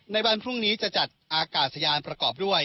ในวันพรุ่งนี้จะจัดอากาศยานประกอบด้วย